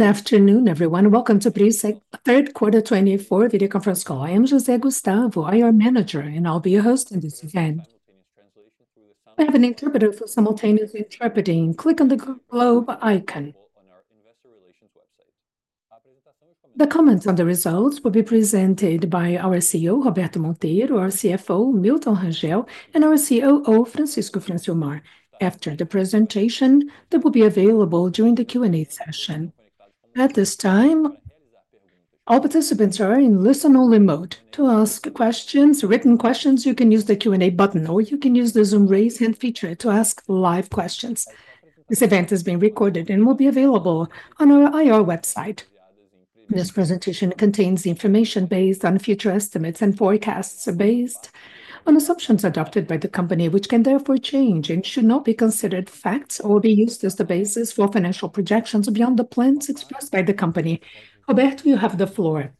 Good afternoon, everyone. Welcome to PRIO's third quarter 2024 video conference call. I am José Gustavo, your manager, and I'll be your host in this event. We have an interpreter for simultaneous interpreting. Click on the globe icon. The comments on the results will be presented by our CEO, Roberto Monteiro, our CFO, Milton Rangel, and our COO, Francisco Francilmar. After the presentation, they will be available during the Q&A session. At this time, all participants are in listen-only mode to ask questions, written questions. You can use the Q&A button, or you can use the Zoom raise hand feature to ask live questions. This event is being recorded and will be available on our IR website. This presentation contains information based on future estimates and forecasts based on assumptions adopted by the company, which can therefore change and should not be considered facts or be used as the basis for financial projections beyond the plans expressed by the company. Roberto, you have the floor.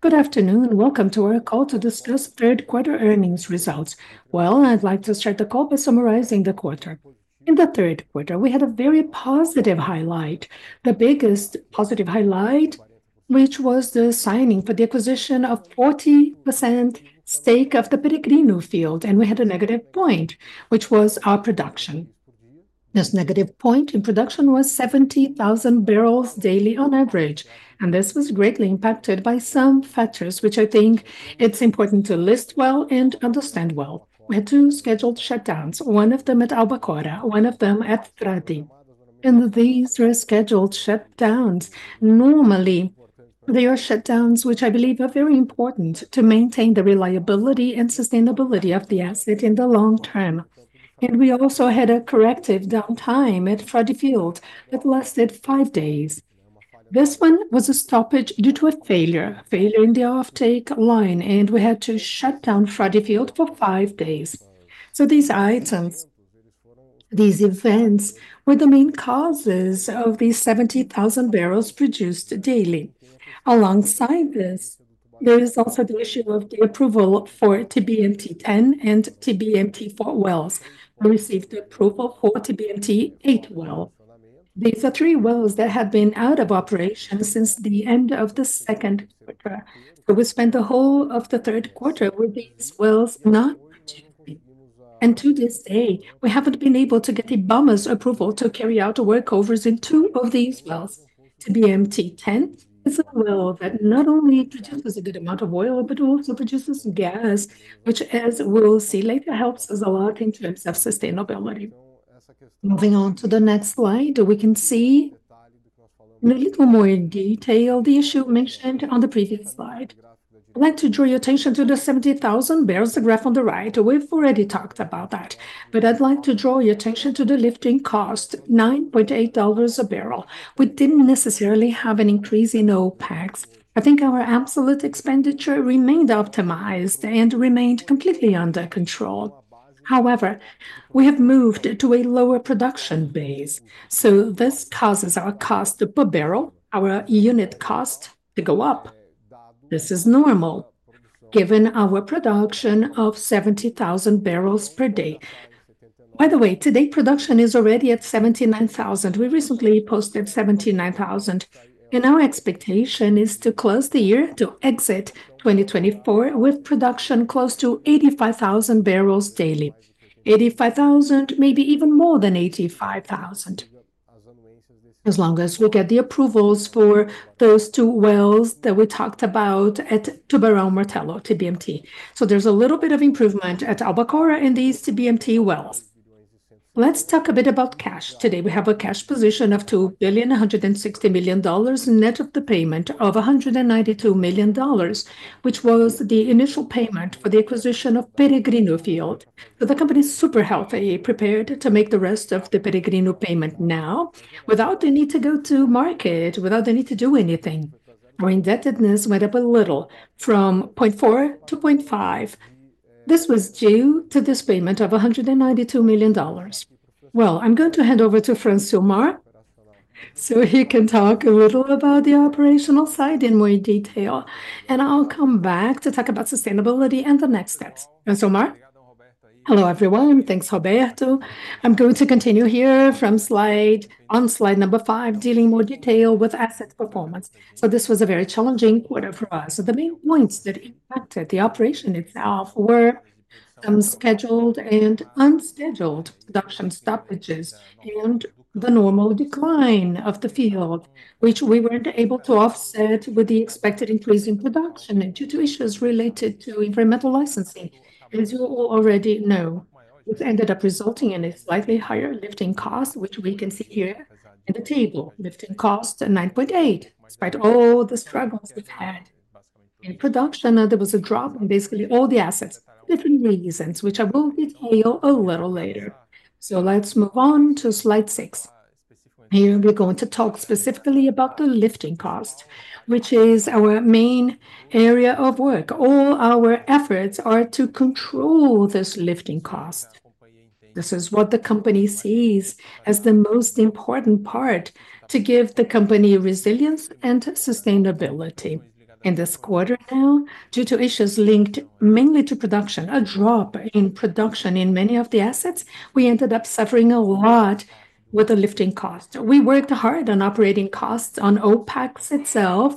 Good afternoon. Welcome to our call to discuss third quarter earnings results. I'd like to start the call by summarizing the quarter. In the third quarter, we had a very positive highlight. The biggest positive highlight, which was the signing for the acquisition of 40% stake of the Peregrino Field, and we had a negative point, which was our production. This negative point in production was 70,000 barrels daily on average, and this was greatly impacted by some factors, which I think it's important to list well and understand well. We had two scheduled shutdowns, one of them at Albacora, one of them at Frade. And these were scheduled shutdowns. Normally, they are shutdowns which I believe are very important to maintain the reliability and sustainability of the asset in the long term. And we also had a corrective downtime at Frade Field that lasted five days. This one was a stoppage due to a failure in the offtake line, and we had to shut down Frade Field for five days. So these items, these events, were the main causes of these 70,000 barrels produced daily. Alongside this, there is also the issue of the approval for TBMT-10 and TBMT-4 wells. We received approval for TBMT-8 wells. These are three wells that have been out of operation since the end of the second quarter. So we spent the whole of the third quarter with these wells not producing. And to this day, we haven't been able to get the IBAMA approval to carry out workovers in two of these wells. TBMT-10 is a well that not only produces a good amount of oil, but also produces gas, which, as we'll see later, helps us a lot in terms of sustainability. Moving on to the next slide, we can see in a little more detail the issue mentioned on the previous slide. I'd like to draw your attention to the 70,000 barrels, the graph on the right. We've already talked about that, but I'd like to draw your attention to the lifting cost, $9.8 a barrel. We didn't necessarily have an increase in OPEX. I think our absolute expenditure remained optimized and remained completely under control. However, we have moved to a lower production base, so this causes our cost per barrel, our unit cost, to go up. This is normal given our production of 70,000 barrels per day. By the way, today production is already at 79,000. We recently posted 79,000, and our expectation is to close the year, to exit 2024 with production close to 85,000 barrels daily, 85,000, maybe even more than 85,000. As long as we get the approvals for those two wells that we talked about at Tubarão Martelo, TBMT, there's a little bit of improvement at Albacora Leste in these TBMT wells. Let's talk a bit about cash. Today we have a cash position of $2.16 million, net of the payment of $192 million, which was the initial payment for the acquisition of Peregrino Field, so the company is super healthy. Prepared to make the rest of the Peregrino payment now without the need to go to market, without the need to do anything. Our indebtedness went up a little from 0.4 to 0.5. This was due to this payment of $192,000,000. I'm going to hand over to Francilmar so he can talk a little about the operational side in more detail, and I'll come back to talk about sustainability and the next steps. Francilmar? Hello, everyone. Thanks, Roberto. I'm going to continue here from slide on slide number five, dealing in more detail with asset performance. This was a very challenging quarter for us. The main points that impacted the operation itself were some scheduled and unscheduled production stoppages and the normal decline of the field, which we weren't able to offset with the expected increase in production due to issues related to environmental licensing. As you all already know, this ended up resulting in a slightly higher lifting cost, which we can see here in the table. Lifting cost at $9.8, despite all the struggles we've had in production. There was a drop in basically all the assets. Different reasons, which I will detail a little later. So let's move on to slide six. Here we're going to talk specifically about the lifting cost, which is our main area of work. All our efforts are to control this lifting cost. This is what the company sees as the most important part to give the company resilience and sustainability. In this quarter now, due to issues linked mainly to production, a drop in production in many of the assets, we ended up suffering a lot with the lifting cost. We worked hard on operating costs, on OPEX itself,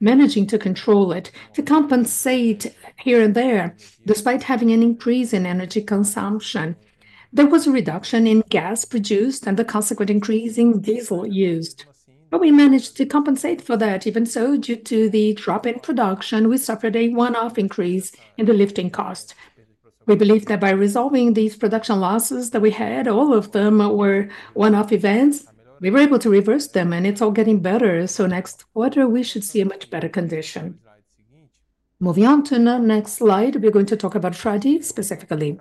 managing to control it, to compensate here and there, despite having an increase in energy consumption. There was a reduction in gas produced and the consequent increase in diesel used. But we managed to compensate for that. Even so, due to the drop in production, we suffered a one-off increase in the lifting cost. We believe that by resolving these production losses that we had, all of them were one-off events, we were able to reverse them, and it's all getting better. So next quarter, we should see a much better condition. Moving on to the next slide, we're going to talk about Frade specifically.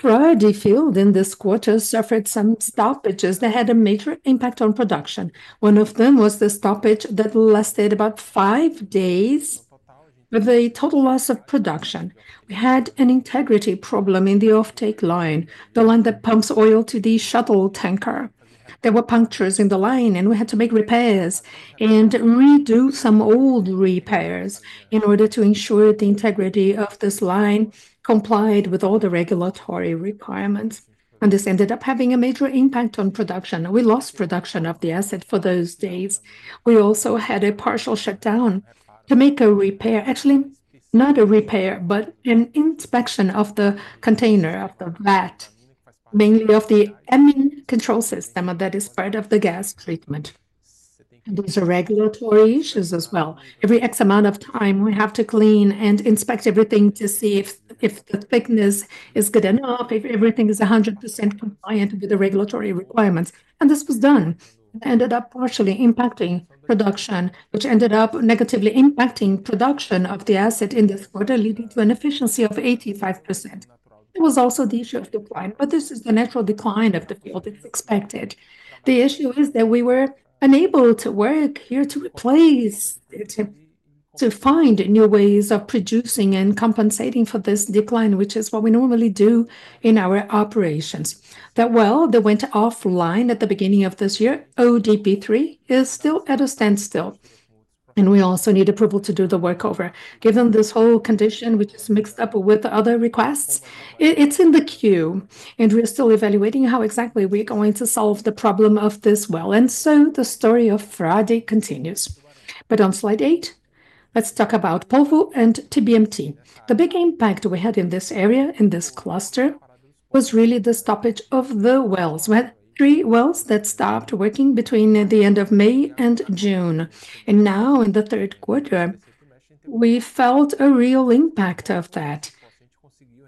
Frade Field in this quarter suffered some stoppages that had a major impact on production. One of them was the stoppage that lasted about five days with a total loss of production. We had an integrity problem in the offtake line, the line that pumps oil to the shuttle tanker. There were punctures in the line, and we had to make repairs and redo some old repairs in order to ensure the integrity of this line complied with all the regulatory requirements. And this ended up having a major impact on production. We lost production of the asset for those days. We also had a partial shutdown to make a repair, actually not a repair, but an inspection of the container, of the valve, mainly of the instrument control system that is part of the gas treatment. And these are regulatory issues as well. Every X amount of time, we have to clean and inspect everything to see if the thickness is good enough, if everything is 100% compliant with the regulatory requirements. And this was done. It ended up partially impacting production, which ended up negatively impacting production of the asset in this quarter, leading to an efficiency of 85%. There was also the issue of decline, but this is the natural decline of the field that's expected. The issue is that we were unable to work here to replace, to find new ways of producing and compensating for this decline, which is what we normally do in our operations. That well, that went offline at the beginning of this year, ODP-3 is still at a standstill. And we also need approval to do the workover. Given this whole condition, which is mixed up with other requests, it's in the queue, and we're still evaluating how exactly we're going to solve the problem of this well, and so the story of Frade continues, but on slide eight, let's talk about Polvo and TBMT. The big impact we had in this area, in this cluster, was really the stoppage of the wells. We had three wells that stopped working between the end of May and June, and now, in the third quarter, we felt a real impact of that.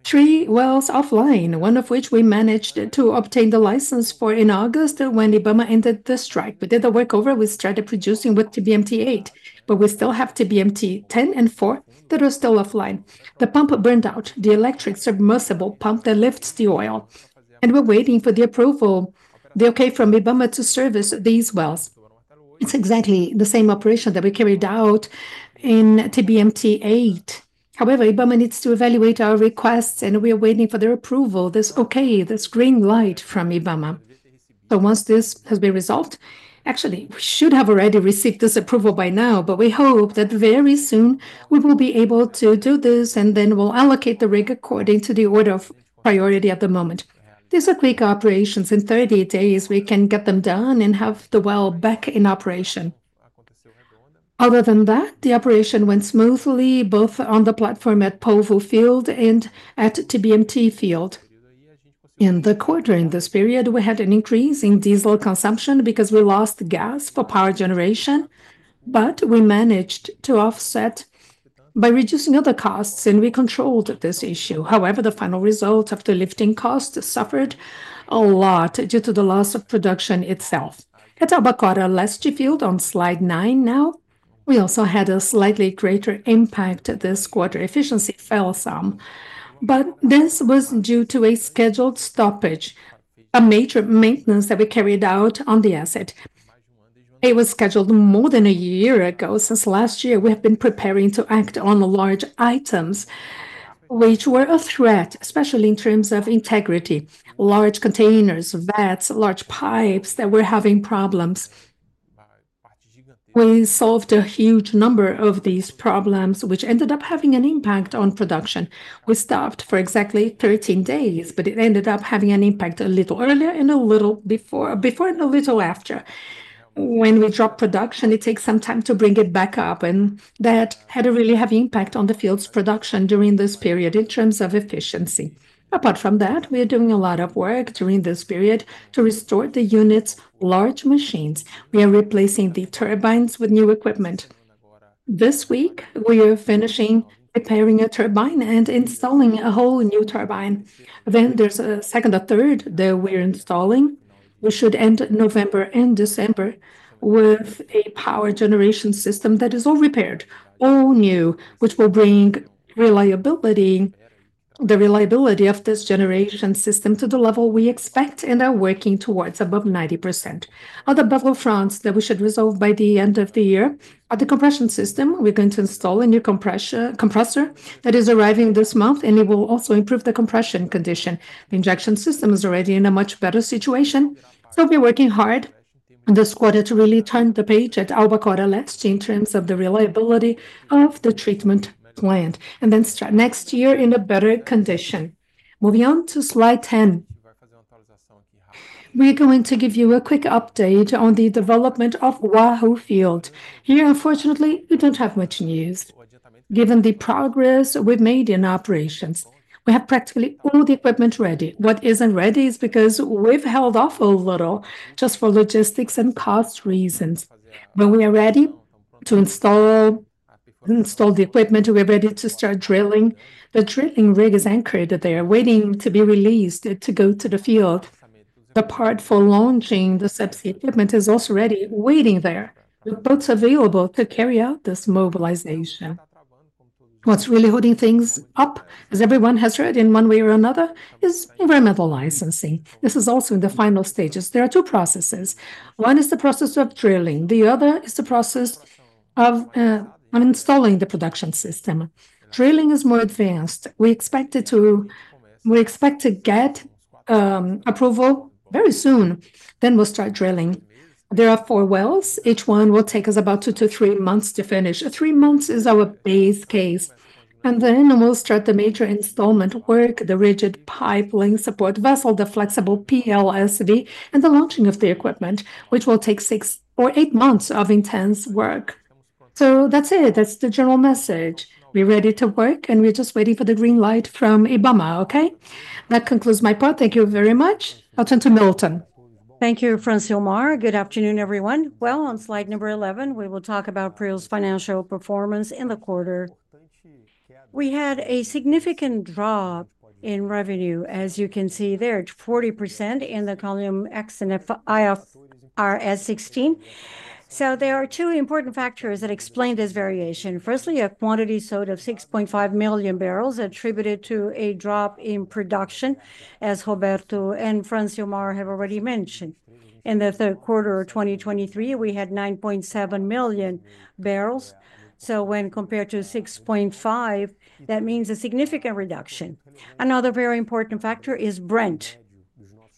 Three wells offline, one of which we managed to obtain the license for in August when IBAMA ended the strike. We did the workover. We started producing with TBMT-8, but we still have TBMT-10 and TBMT-4 that are still offline. The pump burned out, the electric submersible pump that lifts the oil, and we're waiting for the approval, the okay from IBAMA to service these wells. It's exactly the same operation that we carried out in TBMT-8. However, IBAMA needs to evaluate our requests, and we are waiting for their approval, this okay, this green light from IBAMA. Once this has been resolved, actually, we should have already received this approval by now, but we hope that very soon we will be able to do this, and then we'll allocate the rig according to the order of priority at the moment. These are quick operations. In 30 days, we can get them done and have the well back in operation. Other than that, the operation went smoothly, both on the platform at Polvo Field and at TBMT Field. In the quarter, in this period, we had an increase in diesel consumption because we lost gas for power generation, but we managed to offset by reducing other costs, and we controlled this issue. However, the final result of the lifting cost suffered a lot due to the loss of production itself. At Albacora Leste, last year field on slide nine now, we also had a slightly greater impact this quarter. Efficiency fell some, but this was due to a scheduled stoppage, a major maintenance that we carried out on the asset. It was scheduled more than a year ago. Since last year, we have been preparing to act on large items, which were a threat, especially in terms of integrity. Large containers, vats, large pipes that were having problems. We solved a huge number of these problems, which ended up having an impact on production. We stopped for exactly 13 days, but it ended up having an impact a little earlier and a little before, before and a little after. When we drop production, it takes some time to bring it back up, and that had a really heavy impact on the field's production during this period in terms of efficiency. Apart from that, we are doing a lot of work during this period to restore the units, large machines. We are replacing the turbines with new equipment. This week, we are finishing preparing a turbine and installing a whole new turbine. Then there's a second or third that we're installing. We should end November and December with a power generation system that is all repaired, all new, which will bring reliability, the reliability of this generation system to the level we expect and are working towards above 90%. Other battle fronts that we should resolve by the end of the year are the compression system. We're going to install a new compressor that is arriving this month, and it will also improve the compression condition. The injection system is already in a much better situation. We're working hard this quarter to really turn the page at Albacora Leste last year in terms of the reliability of the treatment plant and then start next year in a better condition. Moving on to slide 10, we're going to give you a quick update on the development of Wahoo Field. Here, unfortunately, we don't have much news. Given the progress we've made in operations, we have practically all the equipment ready. What isn't ready is because we've held off a little just for logistics and cost reasons. When we are ready to install the equipment, we're ready to start drilling. The drilling rig is anchored there, waiting to be released to go to the field. The part for launching the subsea equipment is also ready, waiting there. We're both available to carry out this mobilization. What's really holding things up, as everyone has heard in one way or another, is environmental licensing. This is also in the final stages. There are two processes. One is the process of drilling. The other is the process of installing the production system. Drilling is more advanced. We expect to get approval very soon. Then we'll start drilling. There are four wells. Each one will take us about two to three months to finish. Three months is our base case. And then we'll start the major installation work, the rigid pipeline, support vessel, the flexible PLSV, and the launching of the equipment, which will take six or eight months of intense work. So that's it. That's the general message. We're ready to work, and we're just waiting for the green light from IBAMA, okay? That concludes my part. Thank you very much. I'll turn to Milton. Thank you, Francilmar.Good afternoon, everyone. Well, on slide number 11, we will talk about Prio's financial performance in the quarter. We had a significant drop in revenue, as you can see there, 40% in the column X and IFRS 16. So there are two important factors that explain this variation. Firstly, a quantity sold of 6.5 million barrels attributed to a drop in production, as Roberto and Francilmar have already mentioned. In the third quarter of 2023, we had 9.7 million barrels. So when compared to 6.5, that means a significant reduction. Another very important factor is Brent.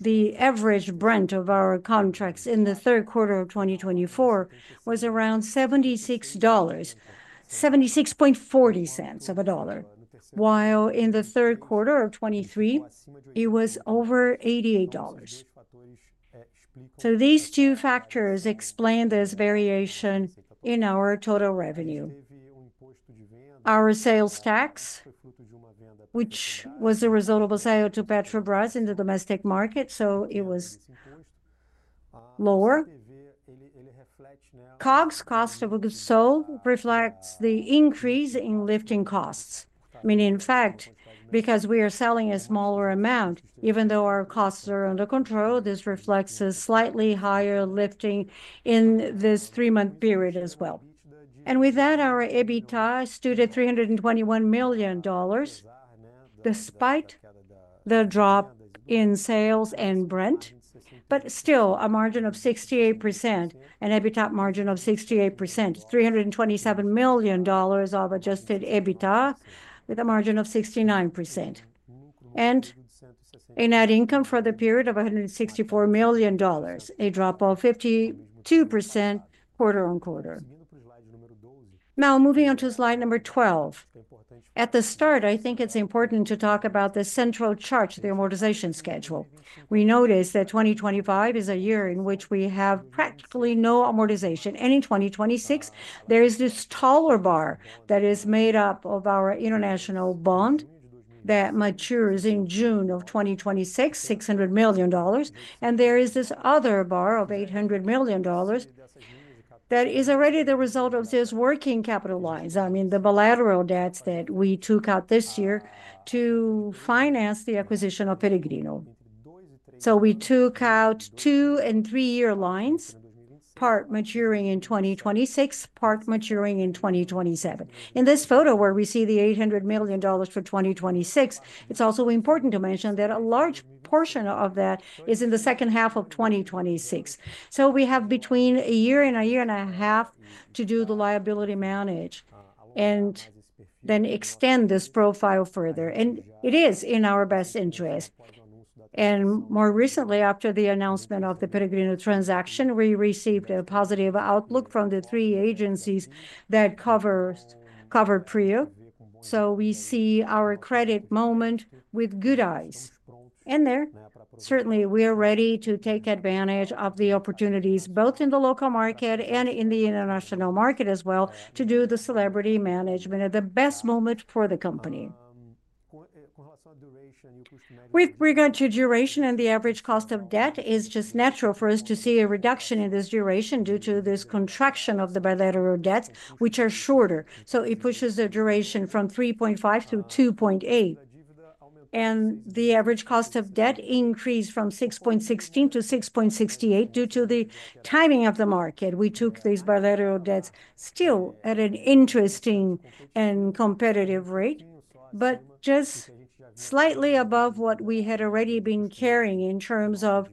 The average Brent of our contracts in the third quarter of 2024 was around $76.40, while in the third quarter of 2023, it was over $88. So these two factors explain this variation in our total revenue. Our sales tax, which was a result of a sale to Petrobras in the domestic market, so it was lower. COGS, cost of goods sold, reflects the increase in lifting costs. I mean, in fact, because we are selling a smaller amount, even though our costs are under control, this reflects a slightly higher lifting in this three-month period as well, and with that, our EBITDA stood at $321 million despite the drop in sales and Brent, but still a margin of 68%, an EBITDA margin of 68%, $327 million of adjusted EBITDA with a margin of 69%, and net income for the period of $164 million, a drop of 52% quarter on quarter. Now, moving on to slide number 12. At the start, I think it is important to talk about the central chart, the amortization schedule. We notice that 2025 is a year in which we have practically no amortization, and in 2026, there is this taller bar that is made up of our international bond that matures in June of 2026, $600 million, and there is this other bar of $800 million that is already the result of these working capital lines. I mean, the bilateral debts that we took out this year to finance the acquisition of Peregrino, so we took out two- and three-year lines, part maturing in 2026, part maturing in 2027. In this photo, where we see the $800 million for 2026, it's also important to mention that a large portion of that is in the second half of 2026, so we have between a year and a year and a half to do the liability management and then extend this profile further, and it is in our best interest. And more recently, after the announcement of the Peregrino transaction, we received a positive outlook from the three agencies that covered PRIO. So we see our credit rating with good eyes. And there, certainly, we are ready to take advantage of the opportunities both in the local market and in the international market as well to do the capital allocation at the best moment for the company. With regard to duration and the average cost of debt, it is just natural for us to see a reduction in this duration due to this concentration of the bilateral debts, which are shorter. So it pushes the duration from 3.5 to 2.8. And the average cost of debt increased from 6.16 to 6.68 due to the timing of the market. We took these bilateral debts still at an interesting and competitive rate, but just slightly above what we had already been carrying in terms of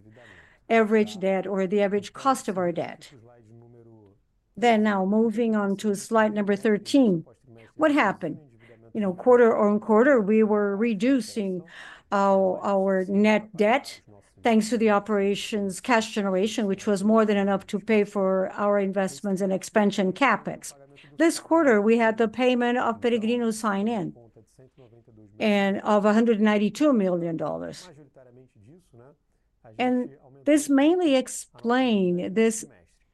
average debt or the average cost of our debt. Then now moving on to slide number 13, what happened? You know, quarter on quarter, we were reducing our net debt thanks to the operations cash generation, which was more than enough to pay for our investments and expansion CapEx. This quarter, we had the payment of Peregrino sign-in and of $192 million. And this mainly explained this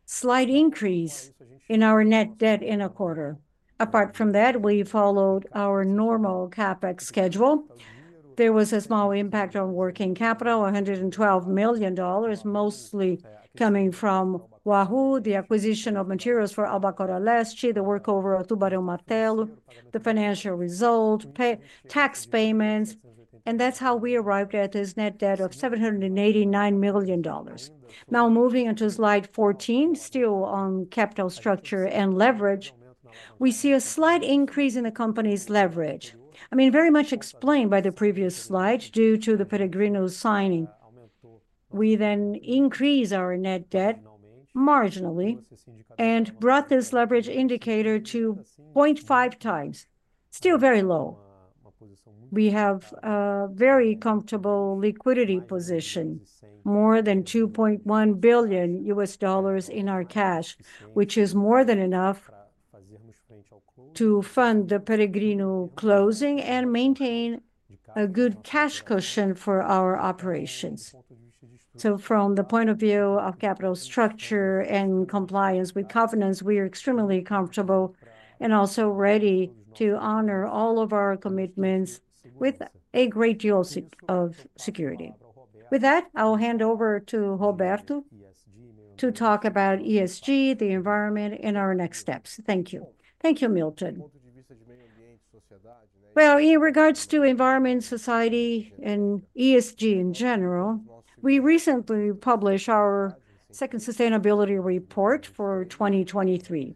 slight increase in our net debt in a quarter. Apart from that, we followed our normal CapEx schedule. There was a small impact on working capital, $112 million, mostly coming from Wahoo, the acquisition of materials for Albacora Leste, the workover of Tubarão Martelo, the financial result, tax payments. That's how we arrived at this net debt of $789 million. Now moving on to slide 14, still on capital structure and leverage, we see a slight increase in the company's leverage. I mean, very much explained by the previous slide due to the Peregrino signing. We then increased our net debt marginally and brought this leverage indicator to 0.5 times, still very low. We have a very comfortable liquidity position, more than $2.1 billion US dollars in our cash, which is more than enough to fund the Peregrino closing and maintain a good cash cushion for our operations. From the point of view of capital structure and compliance with covenants, we are extremely comfortable and also ready to honor all of our commitments with a great deal of security. With that, I'll hand over to Roberto to talk about ESG, the environment, and our next steps. Thank you. Thank you, Milton. In regards to environment, society, and ESG in general, we recently published our second sustainability report for 2023.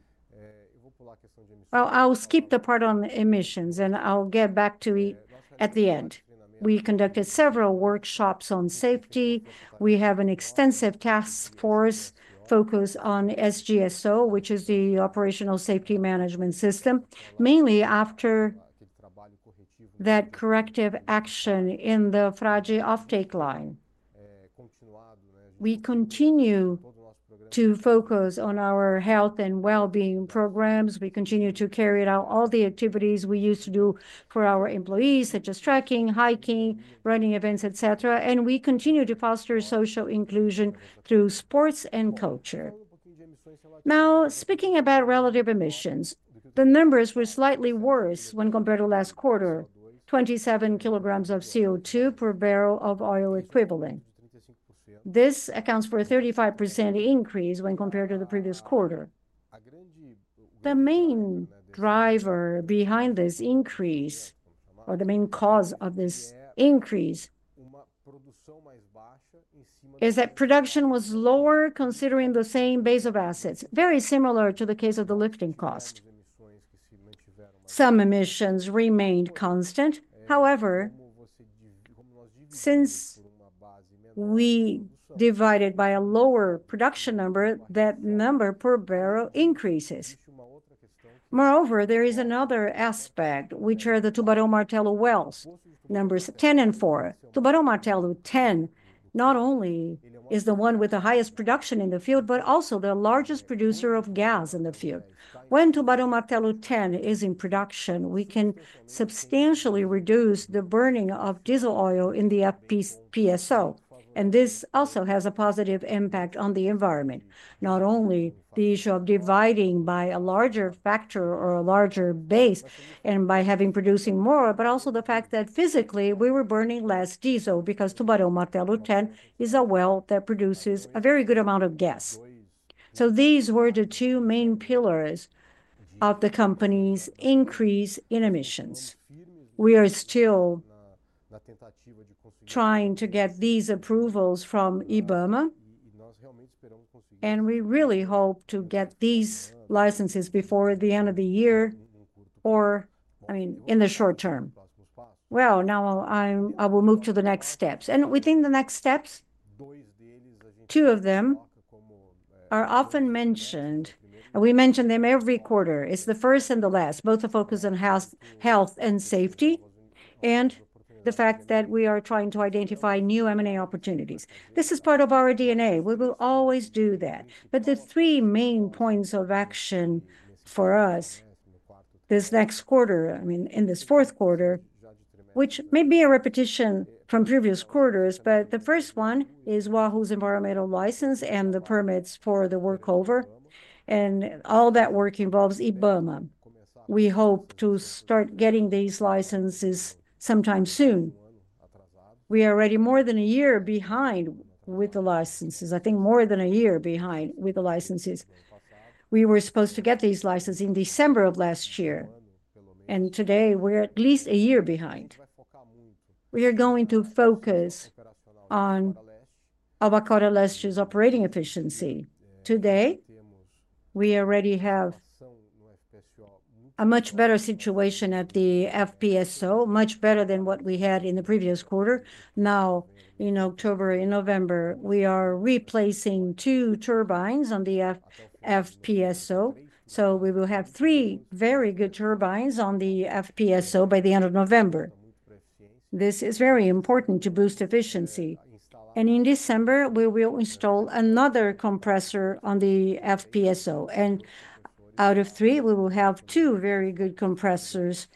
I'll skip the part on emissions, and I'll get back to it at the end. We conducted several workshops on safety. We have an extensive task force focused on SGSO, which is the Operational Safety Management System, mainly after that corrective action in the Frade offtake line. We continue to focus on our health and well-being programs. We continue to carry out all the activities we used to do for our employees, such as trekking, hiking, running events, etc. We continue to foster social inclusion through sports and culture. Now, speaking about relative emissions, the numbers were slightly worse when compared to last quarter, 27 kilograms of CO2 per barrel of oil equivalent. This accounts for a 35% increase when compared to the previous quarter. The main driver behind this increase, or the main cause of this increase, is that production was lower considering the same base of assets, very similar to the case of the lifting cost. Some emissions remained constant. However, since we divided by a lower production number, that number per barrel increases. Moreover, there is another aspect, which are the Tubarão Martelo wells, numbers 10 and 4. Tubarão Martelo 10 not only is the one with the highest production in the field, but also the largest producer of gas in the field. When Tubarão Martelo 10 is in production, we can substantially reduce the burning of diesel oil in the FPSO. This also has a positive impact on the environment, not only the issue of dividing by a larger factor or a larger base and by having producing more, but also the fact that physically we were burning less diesel because Tubarão Martelo 10 is a well that produces a very good amount of gas. So these were the two main pillars of the company's increase in emissions. We are still trying to get these approvals from IBAMA, and we really hope to get these licenses before the end of the year or, I mean, in the short term. Now I will move to the next steps. Within the next steps, two of them are often mentioned, and we mention them every quarter. It's the first and the last, both the focus on health and safety and the fact that we are trying to identify new M&A opportunities. This is part of our DNA. We will always do that, but the three main points of action for us this next quarter, I mean, in this fourth quarter, which may be a repetition from previous quarters, but the first one is Wahoo's environmental license and the permits for the workover, and all that work involves IBAMA. We hope to start getting these licenses sometime soon. We are already more than a year behind with the licenses. I think more than a year behind with the licenses. We were supposed to get these licenses in December of last year, and today, we're at least a year behind. We are going to focus on Albacora Leste's operating efficiency. Today, we already have a much better situation at the FPSO, much better than what we had in the previous quarter. Now, in October, in November, we are replacing two turbines on the FPSO. So we will have three very good turbines on the FPSO by the end of November. This is very important to boost efficiency. And in December, we will install another compressor on the FPSO. And out of three, we will have two very good compressors,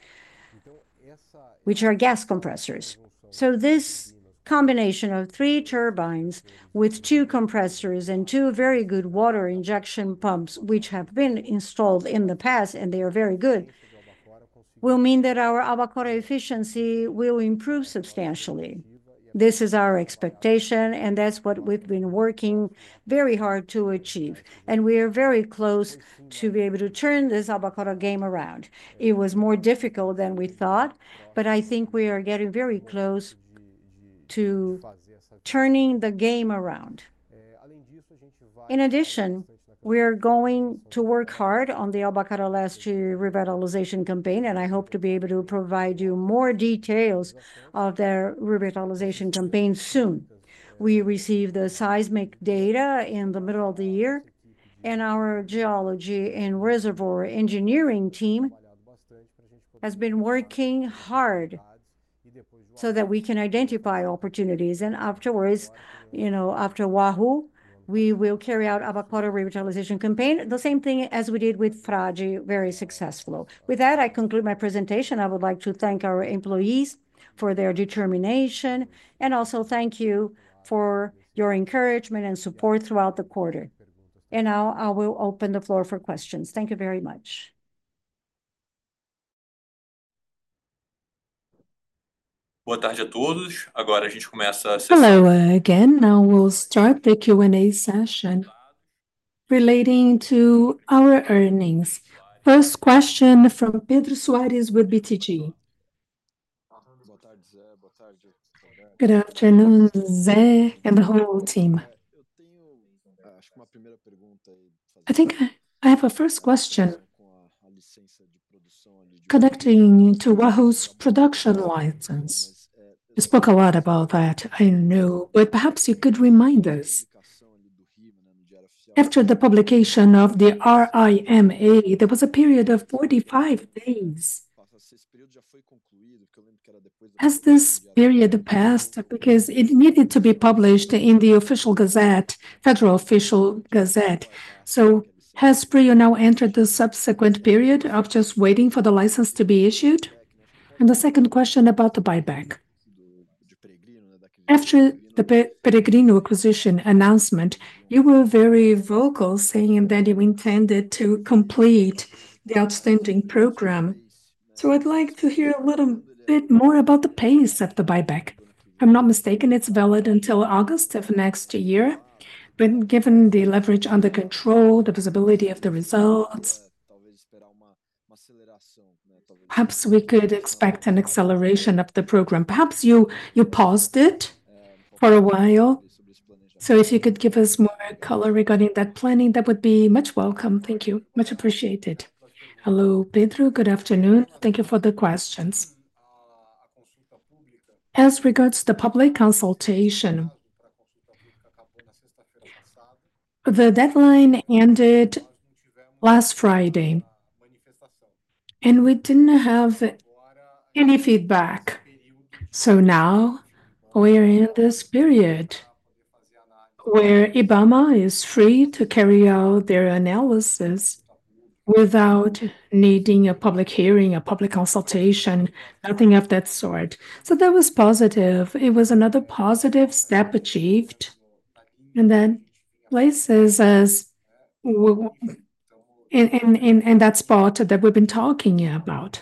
which are gas compressors. So this combination of three turbines with two compressors and two very good water injection pumps, which have been installed in the past, and they are very good, will mean that our Albacora efficiency will improve substantially. This is our expectation, and that's what we've been working very hard to achieve. And we are very close to be able to turn this Albacora game around. It was more difficult than we thought, but I think we are getting very close to turning the game around. In addition, we are going to work hard on the Albacora Leste revitalization campaign, and I hope to be able to provide you more details of their revitalization campaign soon. We received the seismic data in the middle of the year, and our geology and reservoir engineering team has been working hard so that we can identify opportunities. Afterwards, you know, after Wahoo, we will carry out the Albacora Leste revitalization campaign, the same thing as we did with Frade, very successful. With that, I conclude my presentation. I would like to thank our employees for their determination and also thank you for your encouragement and support throughout the quarter. Now I will open the floor for questions. Thank you very much. Boa tarde a todos. Agora a gente começa a sessão. Hello again. Now we'll start the Q&A session relating to our earnings. First question from Pedro Soares with BTG. Boa tarde, Zé. Boa tarde. Good afternoon, Zé, and the whole team. Eu tenho, acho que uma primeira pergunta aí. I think I have a first question. Connecting to Wahoo's production license. You spoke a lot about that, I know, but perhaps you could remind us. After the publication of the RIMA, there was a period of 45 days. Esse período já foi concluído, porque eu lembro que era depois. Has this period passed? Because it needed to be published in the official gazette, federal official gazette. So has PRIO now entered the subsequent period of just waiting for the license to be issued? And the second question about the buyback. After the Peregrino acquisition announcement, you were very vocal saying that you intended to complete the outstanding program. So I'd like to hear a little bit more about the pace of the buyback. If I'm not mistaken, it's valid until August of next year. But given the leverage under control, the visibility of the results, perhaps we could expect an acceleration of the program. Perhaps you paused it for a while. So if you could give us more color regarding that planning, that would be much welcome. Thank you. Much appreciated. Hello, Pedro. Good afternoon. Thank you for the questions. As regards to the public consultation, the deadline ended last Friday, and we didn't have any feedback. So now we are in this period where IBAMA is free to carry out their analysis without needing a public hearing, a public consultation, nothing of that sort. So that was positive. It was another positive step achieved. And then Peregrino's in that spot that we've been talking about.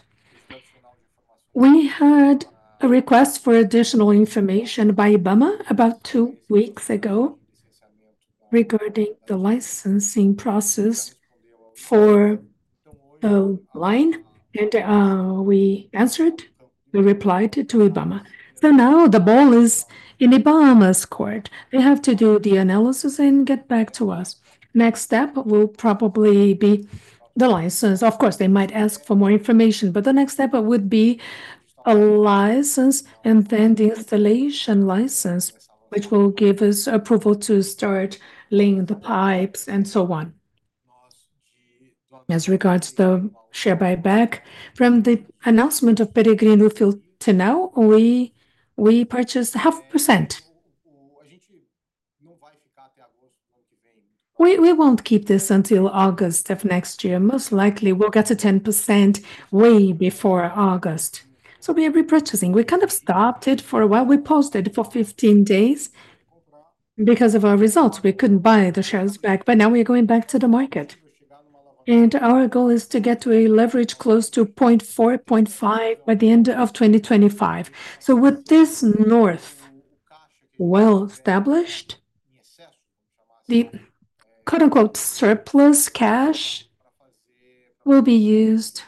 We had a request for additional information by IBAMA about two weeks ago regarding the licensing process for the line. We answered, we replied to IBAMA. Now the ball is in IBAMA's court. They have to do the analysis and get back to us. Next step will probably be the license. Of course, they might ask for more information, but the next step would be a license and then the installation license, which will give us approval to start laying the pipes and so on. As regards to the share buyback, from the announcement of Peregrino till now, we purchased 0.5%. We won't keep this until August of next year. Most likely, we'll get to 10% way before August. We are repurchasing. We kind of stopped it for a while. We paused it for 15 days because of our results. We couldn't buy the shares back, but now we're going back to the market. And our goal is to get to a leverage close to 0.4, 0.5 by the end of 2025. So with this north well established, the quote-unquote surplus cash will be used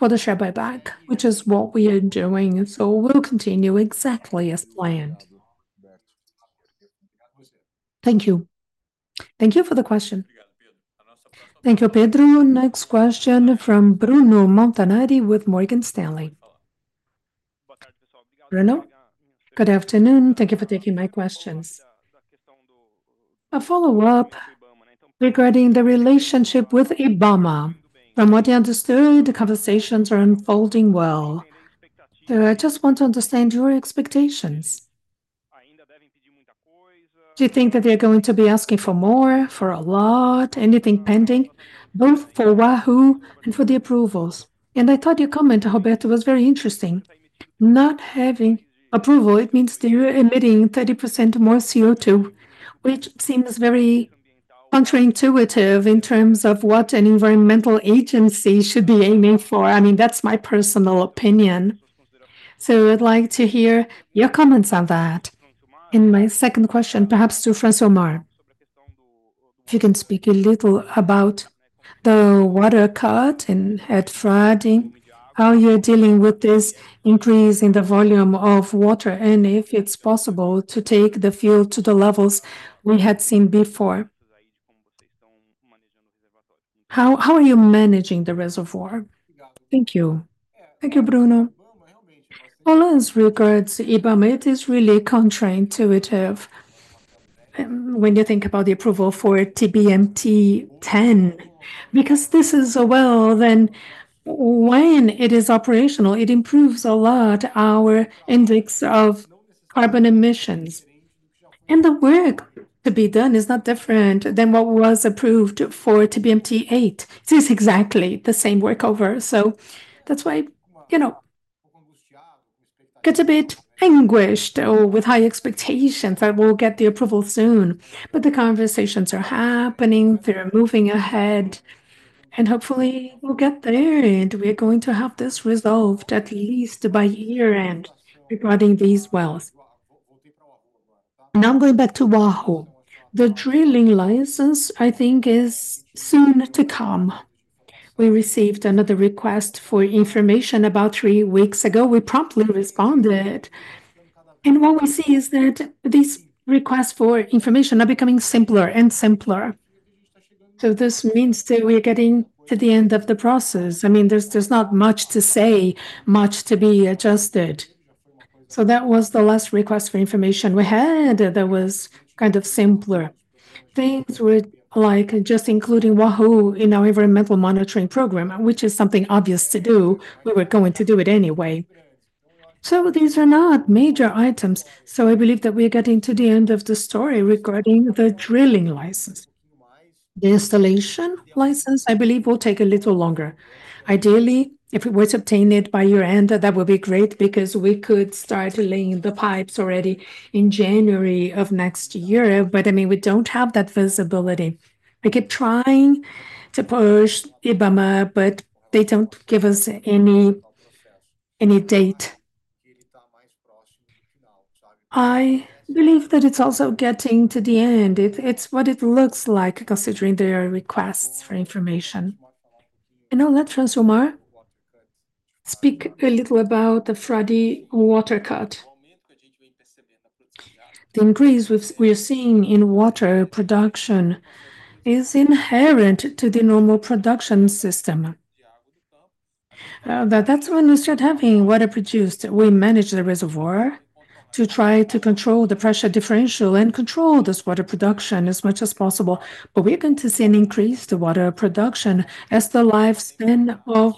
for the share buyback, which is what we are doing. So we'll continue exactly as planned. Thank you. Thank you for the question. Thank you for the question. Thank you, Pedro. Next question from Bruno Montanari with Morgan Stanley. Bruno, good afternoon. Thank you for taking my questions. A follow-up regarding the relationship with IBAMA. From what I understood, the conversations are unfolding well. So I just want to understand your expectations. Do you think that they're going to be asking for more, for a lot, anything pending, both for Wahoo and for the approvals? And I thought your comment, Roberto, was very interesting. Not having approval, it means they're emitting 30% more CO2, which seems very counterintuitive in terms of what an environmental agency should be aiming for. I mean, that's my personal opinion. So I'd like to hear your comments on that. And my second question, perhaps to Francisco Francilmar, if you can speak a little about the water cut and water flooding, how you're dealing with this increase in the volume of water and if it's possible to take the field to the levels we had seen before. How are you managing the reservoir? Thank you. Thank you, Bruno. As regards to IBAMA, it is really counterintuitive when you think about the approval for TBMT 10, because this is a well. Then when it is operational, it improves a lot our index of carbon emissions. And the work to be done is not different than what was approved for TBMT 8. This is exactly the same workover. So that's why it gets a bit anxious or with high expectations that we'll get the approval soon. But the conversations are happening. They're moving ahead. And hopefully, we'll get there and we're going to have this resolved at least by year-end regarding these wells. Now I'm going back to Wahoo. The drilling license, I think, is soon to come. We received another request for information about three weeks ago. We promptly responded. And what we see is that these requests for information are becoming simpler and simpler. So this means that we're getting to the end of the process. I mean, there's not much to say, much to be adjusted. So that was the last request for information we had that was kind of simpler. Things were like just including Wahoo in our environmental monitoring program, which is something obvious to do. We were going to do it anyway. So these are not major items. So I believe that we are getting to the end of the story regarding the drilling license. The installation license, I believe, will take a little longer. Ideally, if it were to obtain it by year-end, that would be great because we could start laying the pipes already in January of next year. But I mean, we don't have that visibility. I keep trying to push IBAMA, but they don't give us any date. I believe that it's also getting to the end. It's what it looks like considering their requests for information, and I'll let Francisco Francilmar speak a little about the Frade water cut. The increase we are seeing in water production is inherent to the normal production system. That's when we start having water produced. We manage the reservoir to try to control the pressure differential and control this water production as much as possible. But we're going to see an increase in water production as the lifespan of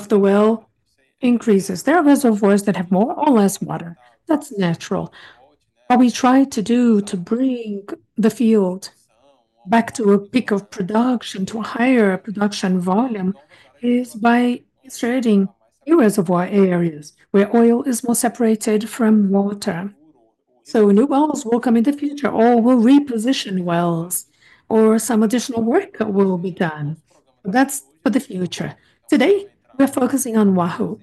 the well increases. There are reservoirs that have more or less water. That's natural. What we try to do to bring the field back to a peak of production, to a higher production volume, is by inserting new reservoir areas where oil is more separated from water. So new wells will come in the future or will reposition wells or some additional work will be done. But that's for the future. Today, we're focusing on Wahoo.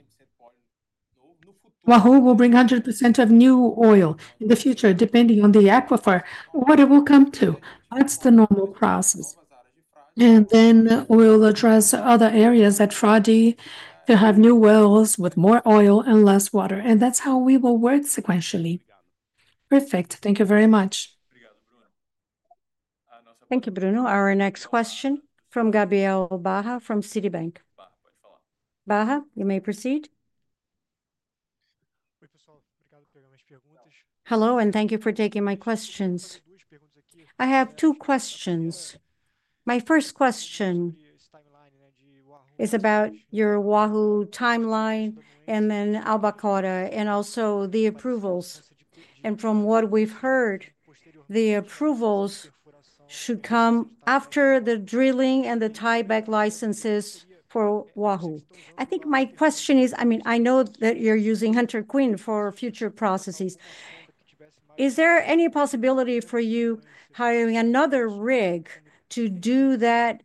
Wahoo will bring 100% of new oil in the future, depending on the aquifer, what it will come to. That's the normal process. And then we'll address other areas at Frade to have new wells with more oil and less water. And that's how we will work sequentially. Perfect. Thank you very much. Thank you, Bruno. Our next question. From Gabriel Barra from Citibank. Barra, you may proceed. Hello and thank you for taking my questions. I have two questions. My first question is about your Wahoo timeline and then Albacora Leste and also the approvals. And from what we've heard, the approvals should come after the drilling and the tieback licenses for Wahoo. I think my question is, I mean, I know that you're using Hunter Queen for future processes. Is there any possibility for you hiring another rig to do that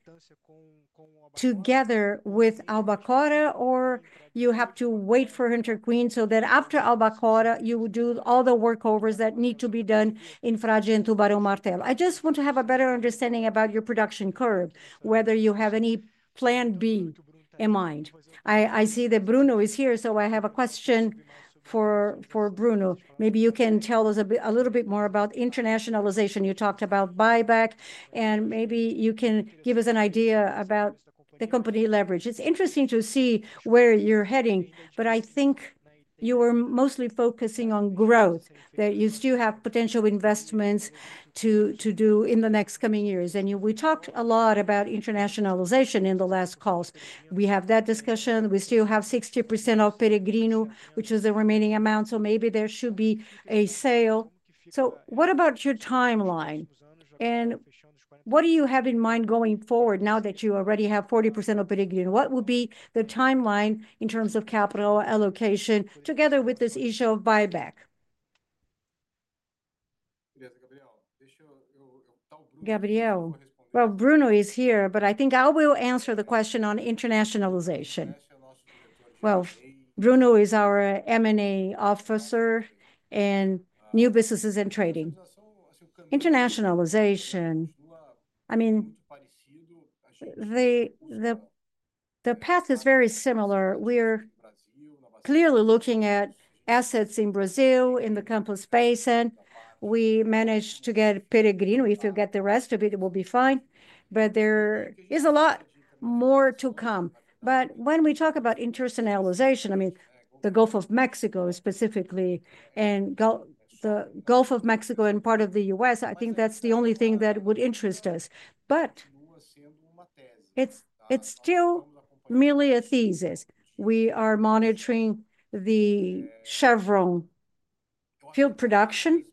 together with Albacora Leste, or you have to wait for Hunter Queen so that after Albacora Leste, you will do all the workovers that need to be done in Frade and Tubarão Martelo? I just want to have a better understanding about your production curve, whether you have any plan B in mind. I see that Bruno is here, so I have a question for Bruno. Maybe you can tell us a little bit more about internationalization. You talked about buyback, and maybe you can give us an idea about the company leverage. It's interesting to see where you're heading, but I think you are mostly focusing on growth, that you still have potential investments to do in the next coming years, and we talked a lot about internationalization in the last calls. We have that discussion. We still have 60% of Peregrino, which is the remaining amount, so maybe there should be a sale, so what about your timeline, and what do you have in mind going forward now that you already have 40% of Peregrino? What will be the timeline in terms of capital allocation together with this issue of buyback? Gabriel. Bruno is here, but I think I will answer the question on internationalization. Bruno is our M&A officer and new businesses and trading. Internationalization, I mean, the path is very similar. We're clearly looking at assets in Brazil, in the Campos Basin. We managed to get Peregrino. If you get the rest of it, it will be fine. There is a lot more to come. When we talk about internationalization, I mean, the Gulf of Mexico specifically, and the Gulf of Mexico and part of the U.S., I think that's the only thing that would interest us. It's still merely a thesis. We are monitoring the Chevron field production,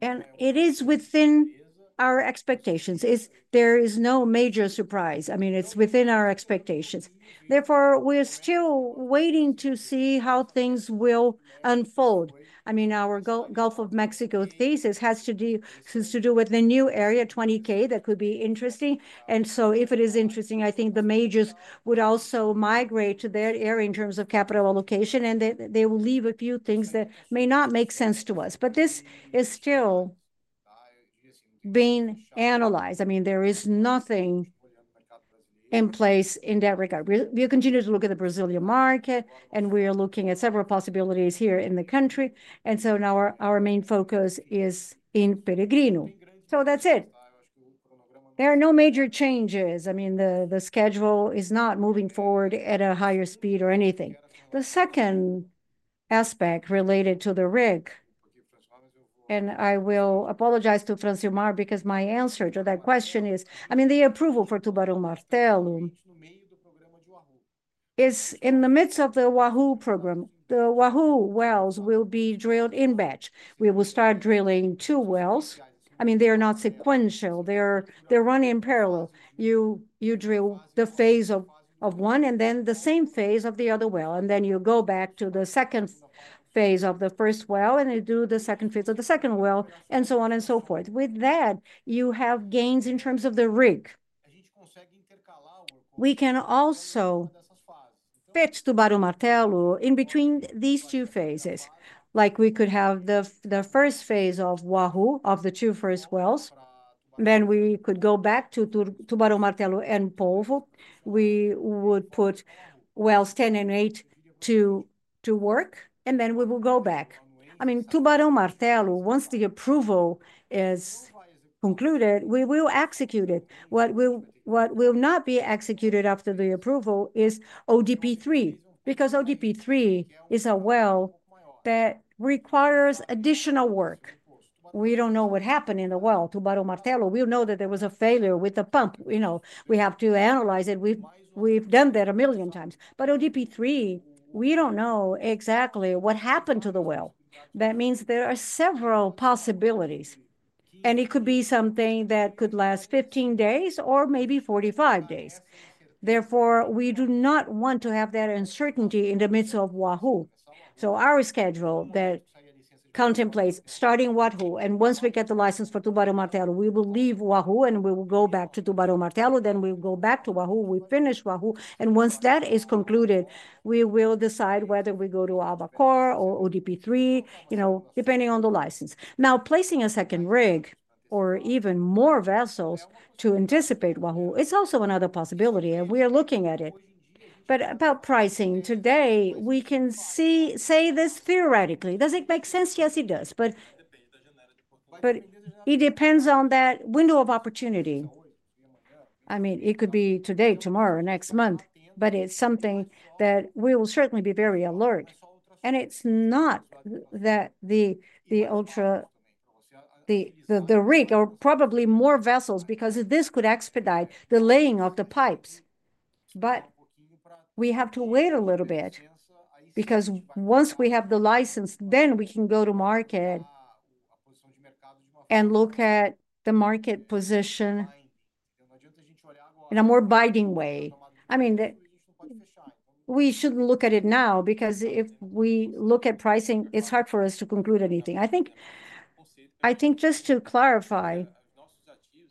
and it is within our expectations. There is no major surprise. I mean, it's within our expectations. Therefore, we're still waiting to see how things will unfold. I mean, our Gulf of Mexico thesis has to do with the new area 20K that could be interesting, and so if it is interesting, I think the majors would also migrate to that area in terms of capital allocation, and they will leave a few things that may not make sense to us, but this is still being analyzed. I mean, there is nothing in place in that regard. We continue to look at the Brazilian market, and we are looking at several possibilities here in the country, and so now our main focus is in Peregrino, so that's it. There are no major changes. I mean, the schedule is not moving forward at a higher speed or anything. The second aspect related to the rig, and I will apologize to Francisco Francilmar because my answer to that question is, I mean, the approval for Tubarão Martelo is in the midst of the Wahoo program. The Wahoo wells will be drilled in batch. We will start drilling two wells. I mean, they are not sequential. They're running in parallel. You drill the phase of one and then the same phase of the other well. And then you go back to the second phase of the first well, and you do the second phase of the second well, and so on and so forth. With that, you have gains in terms of the rig. We can also fit Tubarão Martelo in between these two phases. Like we could have the first phase of Wahoo, of the two first wells. Then we could go back to Tubarão Martelo and Polvo. We would put wells 10 and 8 to work, and then we will go back. I mean, Tubarão Martelo, once the approval is concluded, we will execute it. What will not be executed after the approval is ODP-3, because ODP-3 is a well that requires additional work. We don't know what happened in the well. Tubarão Martelo, we know that there was a failure with the pump. We have to analyze it. We've done that a million times. But ODP-3, we don't know exactly what happened to the well. That means there are several possibilities, and it could be something that could last 15 days or maybe 45 days. Therefore, we do not want to have that uncertainty in the midst of Wahoo. Our schedule that contemplates starting Wahoo, and once we get the license for Tubarão Martelo, we will leave Wahoo, and we will go back to Tubarão Martelo. We will go back to Wahoo. We finish Wahoo, and once that is concluded, we will decide whether we go to Albacora or ODP-3, depending on the license. Now, placing a second rig or even more vessels to anticipate Wahoo, it's also another possibility, and we are looking at it. About pricing today, we can say this theoretically. Does it make sense? Yes, it does. It depends on that window of opportunity. I mean, it could be today, tomorrow, next month, but it's something that we will certainly be very alert. It's not that the ultra, the rig, or probably more vessels, because this could expedite the laying of the pipes. But we have to wait a little bit, because once we have the license, then we can go to market and look at the market position in a more binding way. I mean, we shouldn't look at it now, because if we look at pricing, it's hard for us to conclude anything. I think just to clarify,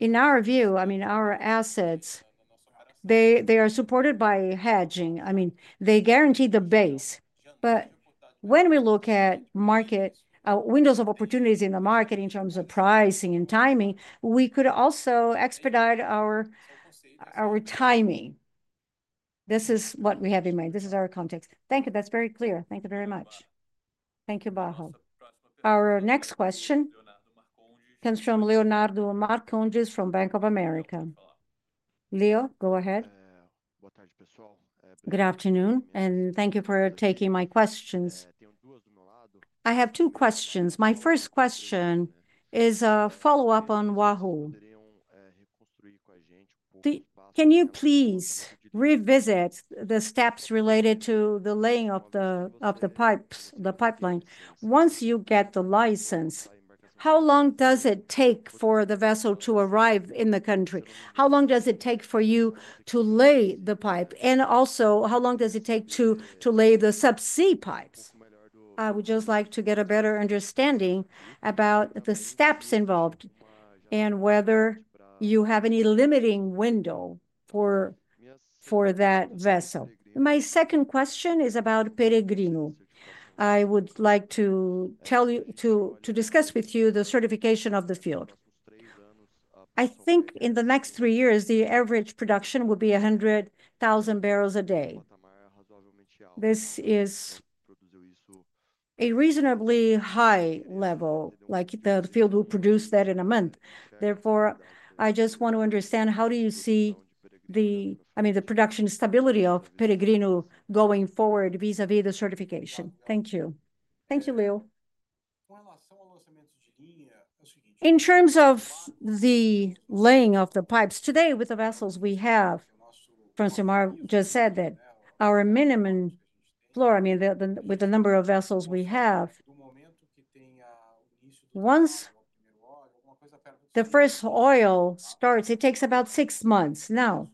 in our view, I mean, our assets, they are supported by hedging. I mean, they guarantee the base. But when we look at market windows of opportunities in the market in terms of pricing and timing, we could also expedite our timing. This is what we have in mind. This is our context. Thank you. That's very clear. Thank you very much. Thank you, Barra. Our next question comes from Leonardo Marcondes from Bank of America. Leo, go ahead. Good afternoon, and thank you for taking my questions. I have two questions. My first question is a follow-up on Wahoo. Can you please revisit the steps related to the laying of the pipes, the pipeline? Once you get the license, how long does it take for the vessel to arrive in the country? How long does it take for you to lay the pipe? And also, how long does it take to lay the subsea pipes? I would just like to get a better understanding about the steps involved and whether you have any limiting window for that vessel. My second question is about Peregrino. I would like to discuss with you the certification of the field. I think in the next three years, the average production would be 100,000 barrels a day. This is a reasonably high level, like the field will produce that in a month. Therefore, I just want to understand how do you see the, I mean, the production stability of Peregrino going forward vis-à-vis the certification. Thank you. Thank you, Leo. In terms of the laying of the pipes, today with the vessels we have, Francisco Francilmar just said that our minimum floor, I mean, with the number of vessels we have, once the first oil starts, it takes about six months. Now,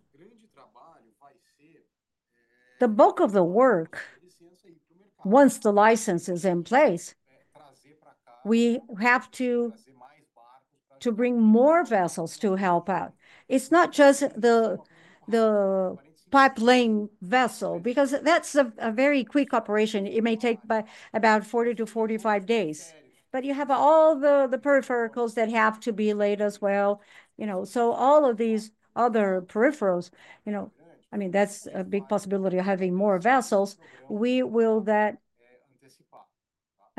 the bulk of the work, once the license is in place, we have to bring more vessels to help out. It's not just the pipe laying vessel, because that's a very quick operation. It may take about 40-45 days. But you have all the peripherals that have to be laid as well. So all of these other peripherals, I mean, that's a big possibility of having more vessels. We will, I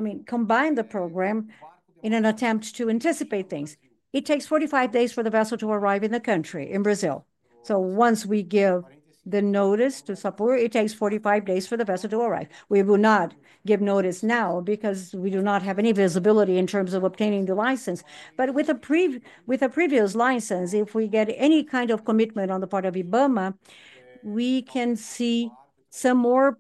mean, combine the program in an attempt to anticipate things. It takes 45 days for the vessel to arrive in the country, in Brazil. So once we give the notice to support, it takes 45 days for the vessel to arrive. We will not give notice now because we do not have any visibility in terms of obtaining the license. But with a previous license, if we get any kind of commitment on the part of IBAMA, we can see some more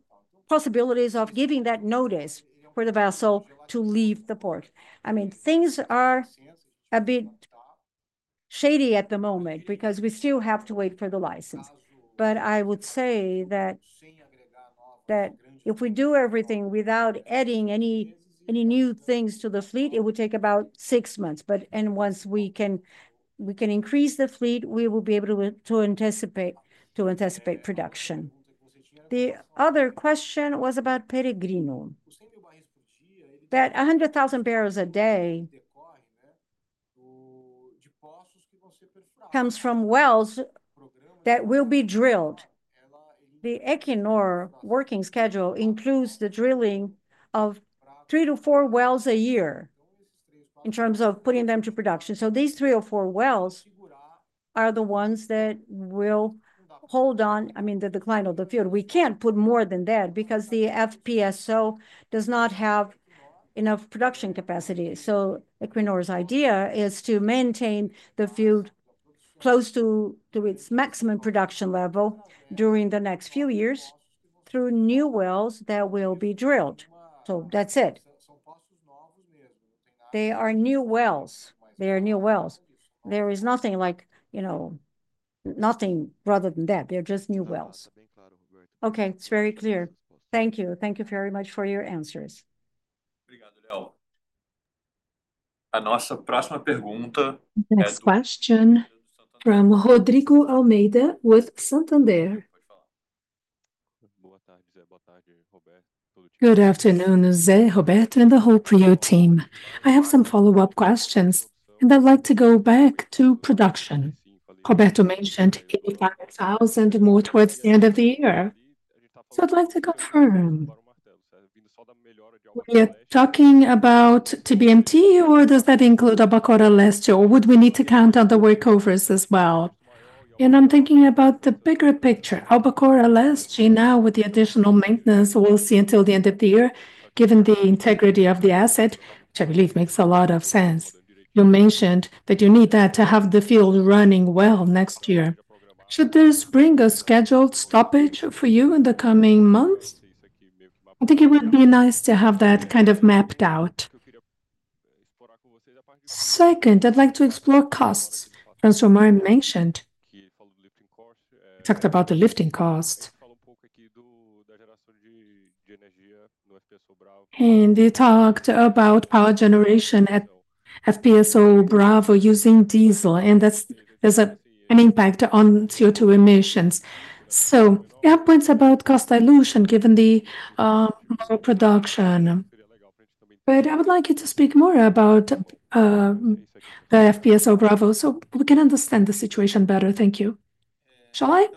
possibilities of giving that notice for the vessel to leave the port. I mean, things are a bit shady at the moment because we still have to wait for the license. But I would say that if we do everything without adding any new things to the fleet, it would take about six months. But once we can increase the fleet, we will be able to anticipate production. The other question was about Peregrino. That 100,000 barrels a day comes from wells that will be drilled. The Equinor working schedule includes the drilling of three to four wells a year in terms of putting them to production. So these three or four wells are the ones that will hold on, I mean, the decline of the field. We can't put more than that because the FPSO does not have enough production capacity. So Equinor's idea is to maintain the field close to its maximum production level during the next few years through new wells that will be drilled. So that's it. They are new wells. They are new wells. There is nothing like nothing rather than that. They're just new wells. Okay, it's very clear. Thank you. Thank you very much for your answers. Next question from Rodrigo Almeida with Santander. Boa tarde, Zé. Boa tarde, Roberto. Good afternoon, Zé. Roberto in the whole PRIO team. I have some follow-up questions, and I'd like to go back to production. Roberto mentioned 85,000 more towards the end of the year. So I'd like to confirm. Were you talking about TBMT, or does that include Albacora Leste, or would we need to count on the workovers as well? And I'm thinking about the bigger picture. Albacora Leste, now with the additional maintenance, we'll see until the end of the year, given the integrity of the asset, which I believe makes a lot of sense. You mentioned that you need that to have the field running well next year. Should this bring a scheduled stoppage for you in the coming months? I think it would be nice to have that kind of mapped out. Second, I'd like to explore costs. Francisco Francilmar mentioned he talked about the lifting cost and he talked about power generation at FPSO Bravo using diesel, and that has an impact on CO2 emissions, so he had points about cost dilution given the production of production, but I would like you to speak more about the FPSO Bravo so we can understand the situation better. Thank you. Shall I?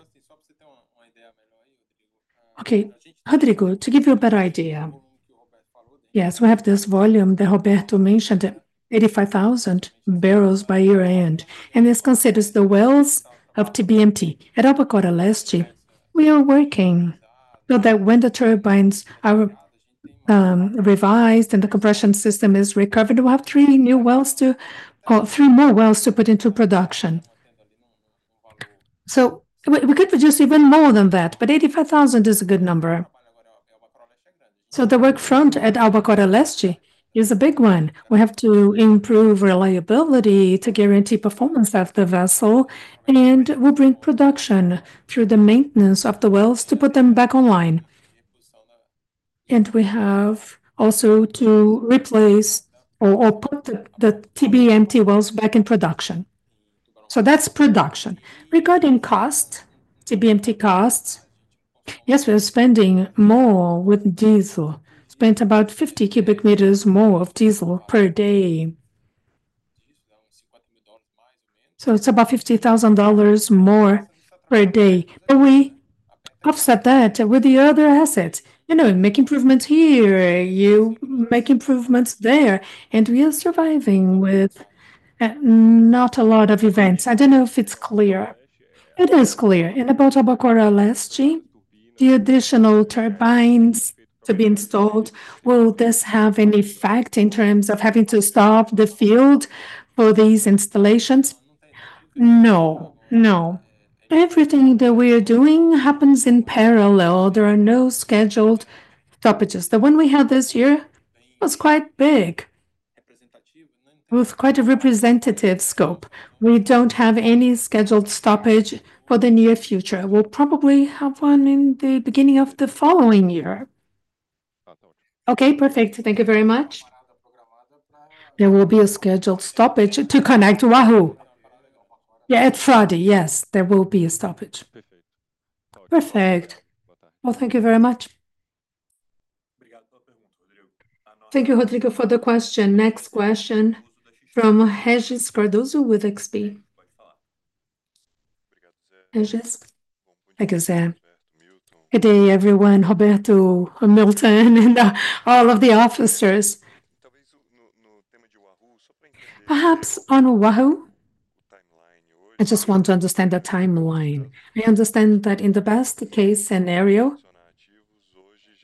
Okay. Rodrigo, to give you a better idea, yes, we have this volume that Roberto mentioned, 85,000 barrels by year-end, and this considers the wells of TBMT. At Albacora Leste, we are working so that when the turbines are revised and the compression system is recovered, we'll have three new wells to or three more wells to put into production, so we could produce even more than that, but 85,000 is a good number. The workfront at Albacora Leste is a big one. We have to improve reliability to guarantee performance of the vessel, and we'll bring production through the maintenance of the wells to put them back online. We have also to replace or put the TBMT wells back in production. That's production. Regarding cost, TBMT costs, yes, we are spending more with diesel. Spent about 50 cubic meters more of diesel per day. So it's about $50,000 more per day. But we offset that with the other assets. You know, make improvements here, you make improvements there, and we are surviving with not a lot of events. I don't know if it's clear. It is clear. About Albacora Leste, the additional turbines to be installed, will this have any effect in terms of having to stop the field for these installations? No, no. Everything that we are doing happens in parallel. There are no scheduled stoppages. The one we had this year was quite big, with quite a representative scope. We don't have any scheduled stoppage for the near future. We'll probably have one in the beginning of the following year. Okay, perfect. Thank you very much. There will be a scheduled stoppage to connect Wahoo. Yeah, it's Friday, yes. There will be a stoppage. Perfect. Well, thank you very much. Thank you, Rodrigo, for the question. Next question from Regis Cardoso with XP. Regis, how are you? Hey, everyone, Roberto, Milton and all of the officers. Perhaps on Wahoo, I just want to understand the timeline. I understand that in the best case scenario,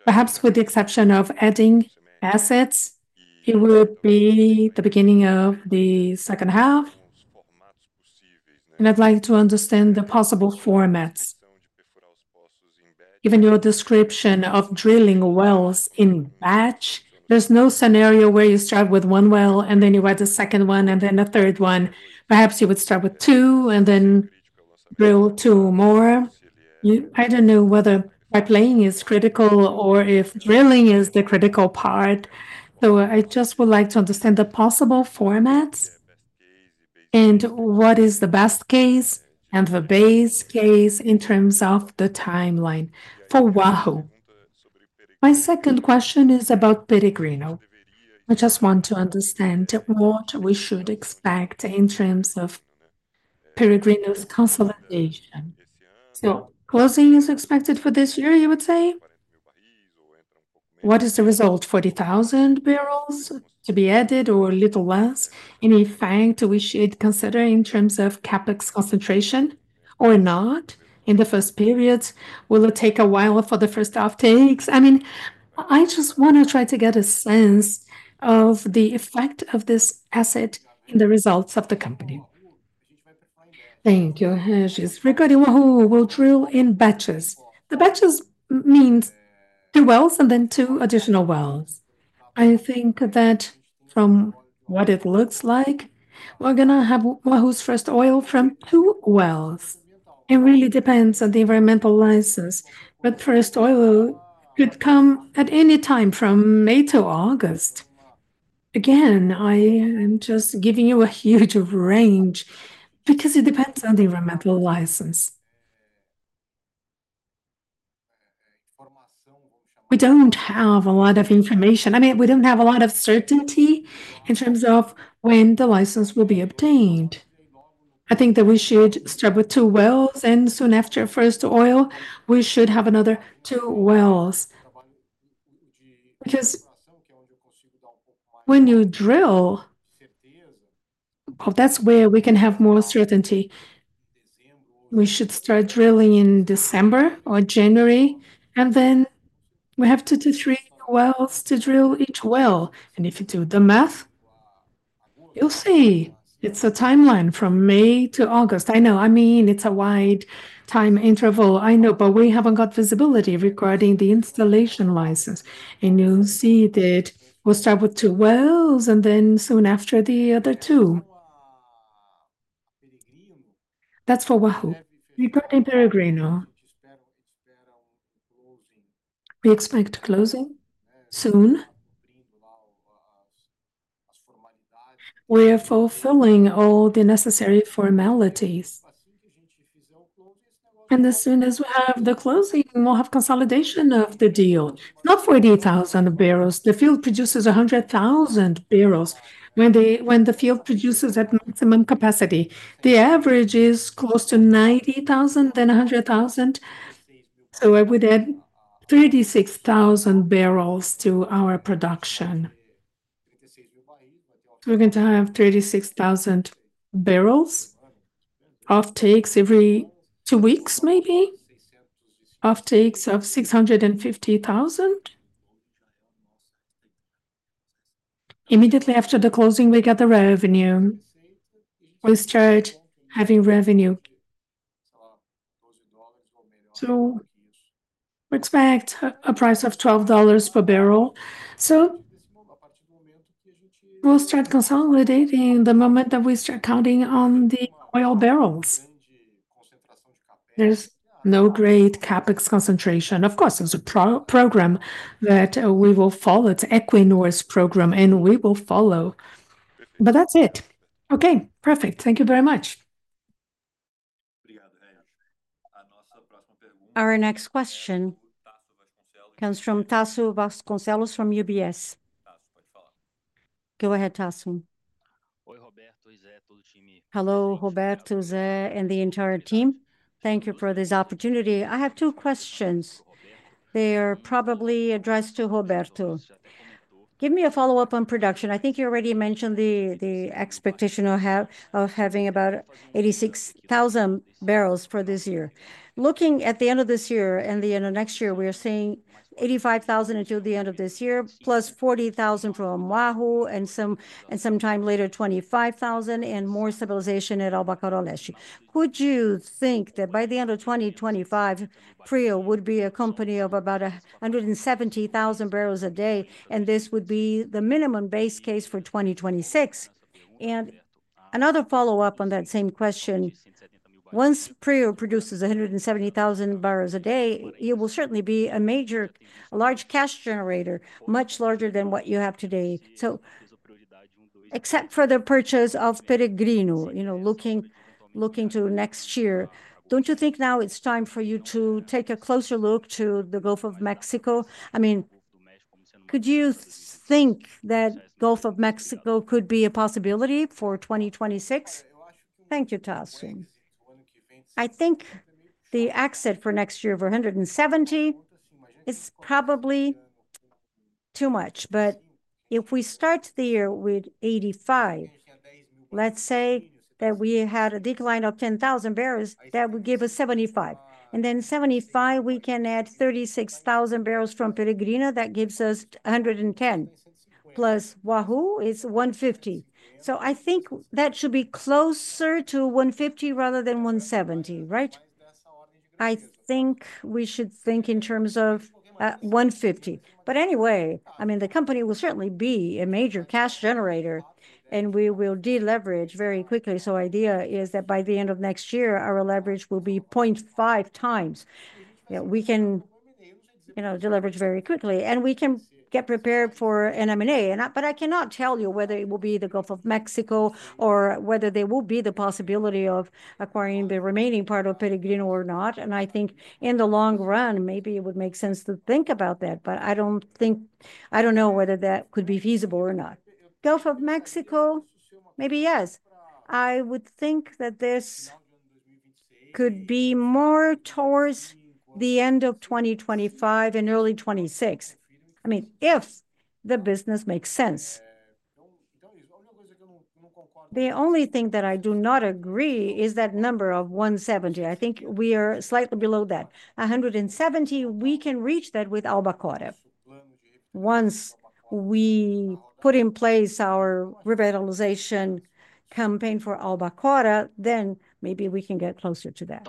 perhaps with the exception of adding assets, it would be the beginning of the second half, and I'd like to understand the possible formats. Given your description of drilling wells in batch, there's no scenario where you start with one well and then you add the second one and then the third one. Perhaps you would start with two and then drill two more. I don't know whether pipe laying is critical or if drilling is the critical part. So I just would like to understand the possible formats and what is the best case and the base case in terms of the timeline for Wahoo. My second question is about Peregrino. I just want to understand what we should expect in terms of Peregrino's consolidation. So closing is expected for this year, you would say? What is the result? 40,000 barrels to be added or a little less? Any fact we should consider in terms of CapEx concentration or not It really depends on the environmental license. But first oil could come at any time from May to August. Again, I am just giving you a huge range because it depends on the environmental license. We don't have a lot of information. I mean, we don't have a lot of certainty in terms of when the license will be obtained. I think that we should start with two wells, and soon after first oil, we should have another two wells. Because when you drill, that's where we can have more certainty. We should start drilling in December or January, and then we have two to three wells to drill each well, and if you do the math, you'll see it's a timeline from May to August. I know, I mean, it's a wide time interval. I know, but we haven't got visibility regarding the installation license, and you'll see that we'll start with two wells and then soon after the other two. That's for Wahoo. Regarding Peregrino, we expect closing soon. We are fulfilling all the necessary formalities, and as soon as we have the closing, we'll have consolidation of the deal. Not 40,000 barrels. The field produces 100,000 barrels. When the field produces at maximum capacity, the average is close to 90,000, then 100,000, so I would add 36,000 barrels to our production. We're going to have 36,000 barrels offtakes every two weeks, maybe. Offtakes of 650,000. Immediately after the closing, we get the revenue. We start having revenue, so we expect a price of $12 per barrel, so we'll start consolidating the moment that we start counting on the oil barrels. There's no great CapEx concentration. Of course, there's a program that we will follow. It's Equinor's program, and we will follow. But that's it. Okay, perfect. Thank you very much. Our next question comes from Tasso Vasconcelos from UBS. Go ahead, Tasso. Oi, Roberto, Zé, todo o time. Hello, Roberto, Zé, and the entire team. Thank you for this opportunity. I have two questions. They are probably addressed to Roberto. Give me a follow-up on production. I think you already mentioned the expectation of having about 86,000 barrels for this year. Looking at the end of this year and the end of next year, we are seeing 85,000 until the end of this year, plus 40,000 from Wahoo, and sometime later, 25,000, and more stabilization at Albacora Leste. Could you think that by the end of 2025, PRIO would be a company of about 170,000 barrels a day, and this would be the minimum base case for 2026? And another follow-up on that same question. Once PRIO produces 170,000 barrels a day, it will certainly be a large cash generator, much larger than what you have today. So except for the purchase of Peregrino, looking to next year, don't you think now it's time for you to take a closer look to the Gulf of Mexico? I mean, could you think that Gulf of Mexico could be a possibility for 2026? Thank you, Tasso. I think the exit for next year for 170 is probably too much. But if we start the year with 85, let's say that we had a decline of 10,000 barrels, that would give us 75. And then 75, we can add 36,000 barrels from Peregrino, that gives us 110. Plus Wahoo is 150. So I think that should be closer to 150 rather than 170, right? I think we should think in terms of 150. But anyway, I mean, the company will certainly be a major cash generator, and we will deleverage very quickly. So the idea is that by the end of next year, our leverage will be 0.5 times. We can deleverage very quickly, and we can get prepared for an M&A. But I cannot tell you whether it will be the Gulf of Mexico or whether there will be the possibility of acquiring the remaining part of Peregrino or not. And I think in the long run, maybe it would make sense to think about that, but I don't think. I don't know whether that could be feasible or not. Gulf of Mexico, maybe yes. I would think that this could be more towards the end of 2025 and early 2026. I mean, if the business makes sense. The only thing that I do not agree is that number of 170. I think we are slightly below that. 170, we can reach that with Albacora. Once we put in place our revitalization campaign for Albacora, then maybe we can get closer to that.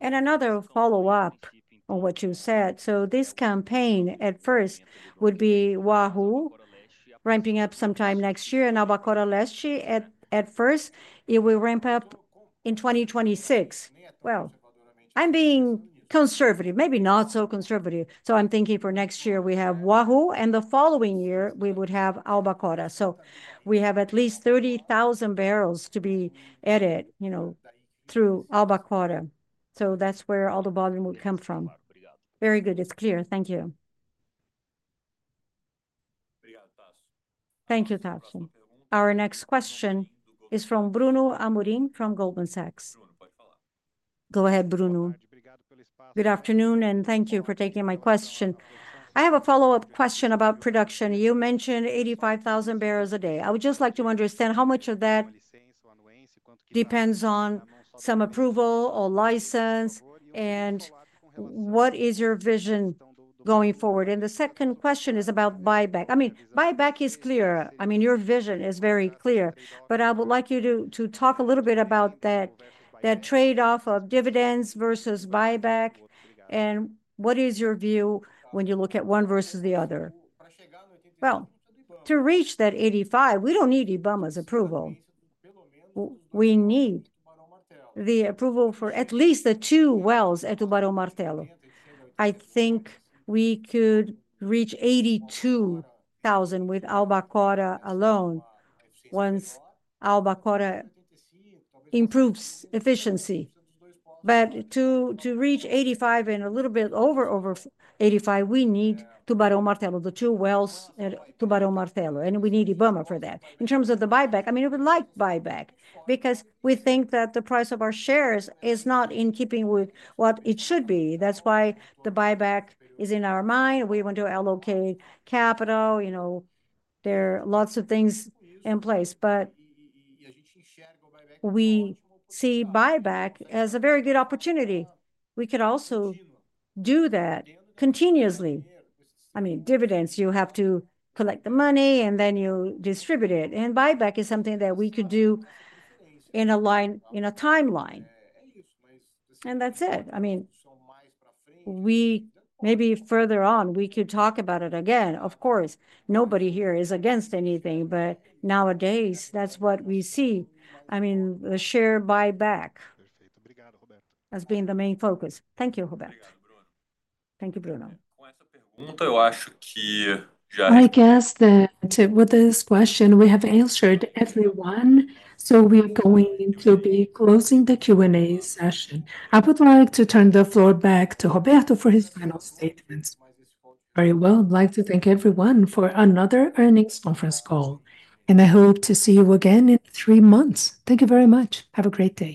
And another follow-up on what you said. This campaign at first would be Wahoo ramping up sometime next year and Albacora Leste. At first, it will ramp up in 2026. Well, I'm being conservative, maybe not so conservative. I'm thinking for next year, we have Wahoo, and the following year, we would have Albacora Leste. So we have at least 30,000 barrels to be added through Albacora Leste. So that's where all the volume would come from. Very good. It's clear. Thank you. Thank you, Tasso. Our next question is from Bruno Amorim from Goldman Sachs. Go ahead, Bruno. Good afternoon, and thank you for taking my question. I have a follow-up question about production. You mentioned 85,000 barrels a day. I would just like to understand how much of that depends on some approval or license, and what is your vision going forward? And the second question is about buyback. I mean, buyback is clear. I mean, your vision is very clear. But I would like you to talk a little bit about that trade-off of dividends versus buyback, and what is your view when you look at one versus the other? Well, to reach that 85, we don't need IBAMA's approval. We need the approval for at least the two wells at Tubarão Martelo. I think we could reach 82,000 with Albacora alone once Albacora improves efficiency. But to reach 85 and a little bit over 85, we need Tubarão Martelo, the two wells at Tubarão Martelo, and we need IBAMA for that. In terms of the buyback, I mean, we would like buyback because we think that the price of our shares is not in keeping with what it should be. That's why the buyback is in our mind. We want to allocate capital. There are lots of things in place, but we see buyback as a very good opportunity. We could also do that continuously. I mean, dividends, you have to collect the money, and then you distribute it, and buyback is something that we could do in a timeline, and that's it. I mean, maybe further on, we could talk about it again. Of course, nobody here is against anything, but nowadays, that's what we see. I mean, the share buyback has been the main focus. Thank you, Roberto. Thank you, Bruno. I guess that with this question, we have answered everyone, so we're going to be closing the Q&A session. I would like to turn the floor back to Roberto for his final statements. Very well. I'd like to thank everyone for another earnings conference call, and I hope to see you again in three months. Thank you very much. Have a great day.